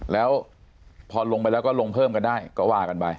แล้วพอลงไปแล้วก็ลงเพิ่มกันได้ก็ว่ากันไป